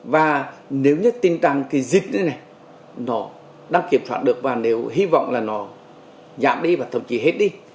và nếu nhất tin rằng cái dịch này nó đang kiểm soát được và nếu hy vọng là nó giảm đi và thậm chí hết đi